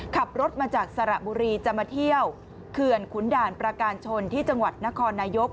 ขับรถมาจากสระบุรีจะมาเที่ยวเขื่อนขุนด่านประการชนที่จังหวัดนครนายก